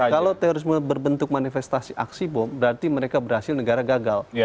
kalau terorisme berbentuk manifestasi aksi bom berarti mereka berhasil negara gagal